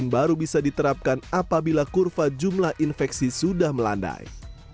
baru bisa diterapkan apabila kurva jumlah infeksi sudah melandai